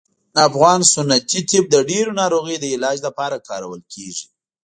افغان سنتي طب د ډیرو ناروغیو د علاج لپاره کارول کیږي